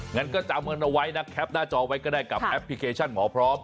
งั้นก็จำกันเอาไว้นะแคปหน้าจอไว้ก็ได้กับแอปพลิเคชันหมอพร้อม